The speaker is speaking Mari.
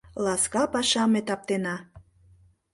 Ласка пашам ме таптена.